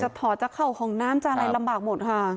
ถอดจะเข้าห้องน้ำจะอะไรลำบากหมดค่ะ